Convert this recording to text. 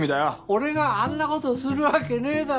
俺があんな事するわけねえだろうが。